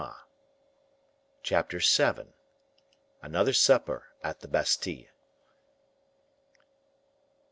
Chapter VII. Another Supper at the Bastile.